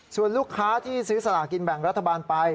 ส่วนลูกค้าที่ซื้อสลากินแบ่งรัฐบาลไป